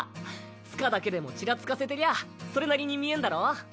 柄だけでもちらつかせてりゃそれなりに見えんだろ？